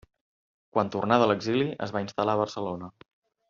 Quan tornà de l'exili es va instal·lar a Barcelona.